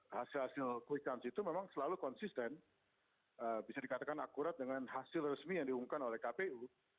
hasil hasil quick count itu memang selalu konsisten bisa dikatakan akurat dengan hasil resmi yang diumumkan oleh kpu